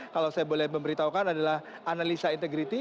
kalau saya boleh memberitahukan adalah analisa integrity